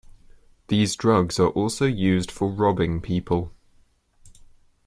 These drugs are also used for robbing people.